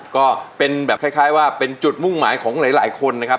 ก็เป็นแบบคล้ายว่าเป็นจุดมุ่งหมายของหลายคนนะครับ